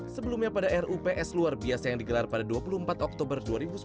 sebelumnya pada rups luar biasa yang digelar pada dua puluh empat oktober dua ribu sembilan belas